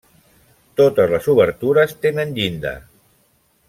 Totes les obertures tenen llinda.